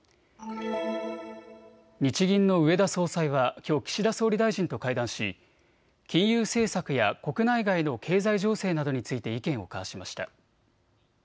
日銀の植田総裁はきょう岸田総理大臣と会談し金融政策や国内外の経済情勢などについて意見を交わしました。